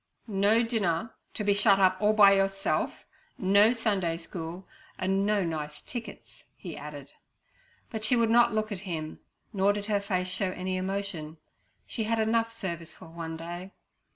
'No dinner; to be shut up all afternoon by yourself; no Sunday school, and no nice tickets' he added. But she would not look at him; nor did her face show any emotion. She had enough service for one day.